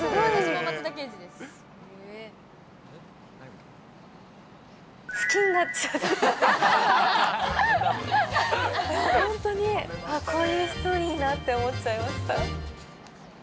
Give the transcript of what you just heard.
もう本当に、こういう人いいなって思っちゃいました。